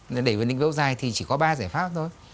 nên để quyền định lâu dài thì chỉ có ba giải pháp thôi